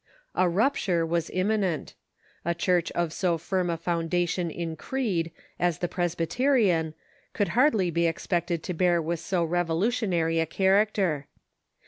A rupture was imminent. A Church of so firm a foundation in creed as the Presbyterian could hardly be expected to bear with so revolutionary a character.